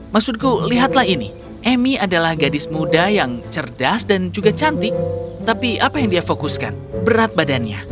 maksudku lihatlah ini emy adalah gadis muda yang cerdas dan juga cantik tapi apa yang dia fokuskan berat badannya